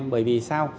bởi vì sao